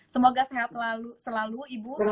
semoga sehat selalu ibu